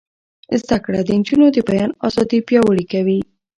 زده کړه د نجونو د بیان ازادي پیاوړې کوي.